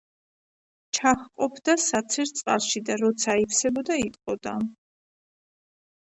ჩაჰყოფდა საცერს წყალში, და როცა აივსებოდა, იტყოდა.